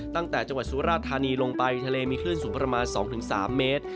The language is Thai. ตั้งแต่จังหวัดสุราธานีลงไปทะเลมีคลื่นสูงประมาณ๒๓เมตร